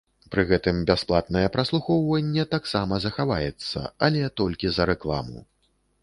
Пры гэтым бясплатнае праслухоўванне таксама захаваецца, але толькі за рэкламу.